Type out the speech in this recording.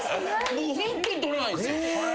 ホントに取らないんですよ。